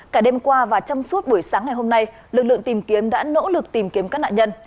cả đêm qua và trong suốt buổi sáng ngày hôm nay lực lượng tìm kiếm đã nỗ lực tìm kiếm các nạn nhân